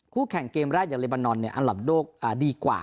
คู่แข่งเกมราชอย่างเรบานอนเนี่ยอันหลับโลกดีกว่า